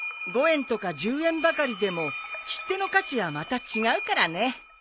５円とか１０円ばかりでも切手の価値はまた違うからね。